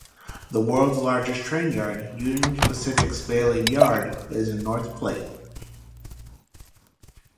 The world's largest train yard, Union Pacific's Bailey Yard, is in North Platte.